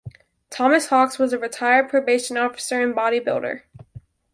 Thomas Hawks was a retired probation officer and bodybuilder.